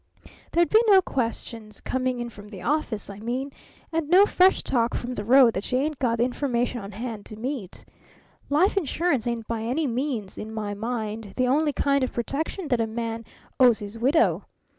There'd be no questions coming in from the office, I mean, and no fresh talk from the road that she ain't got the information on hand to meet. Life insurance ain't by any means, in my mind, the only kind of protection that a man owes his widow.